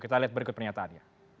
kita lihat berikut pernyataan